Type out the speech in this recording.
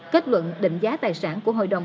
kết luận định giá tài sản của hội đồng